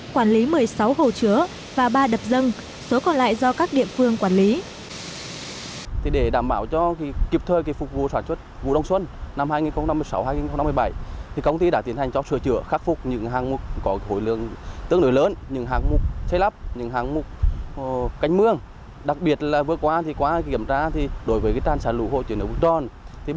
quản lý một mươi sáu hồ chứa và ba đập dân số còn lại do các địa phương quản lý